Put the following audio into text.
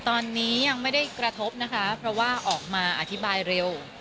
ตอนนี้ยังไม่ได้กระทบนะคะเพราะว่าออกมาอธิบายเร็ว